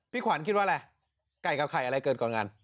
ขวัญคิดว่าอะไรไก่กับไข่อะไรเกิดก่อนงาน